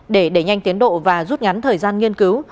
để đẩy nhanh tiến độ và rút ngắn thời gian nghiên cứu